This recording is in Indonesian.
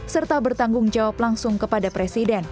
serta bertanggung jawab langsung kepada presiden